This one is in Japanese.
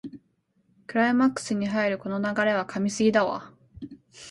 クライマックスに入るこの流れは神すぎだわ